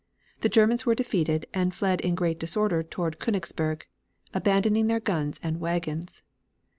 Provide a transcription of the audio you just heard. The Germans were defeated, and fled in great disorder toward Koenigsberg, abandoning their guns and wagons.